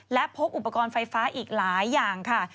และพบอุปกรณ์ไฟฟ้าอีกหลายอย่างค่ะ